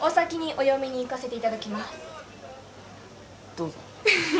どうぞ。